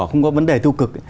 không có vấn đề tiêu cực